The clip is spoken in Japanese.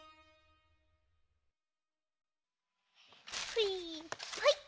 ほいほいっ。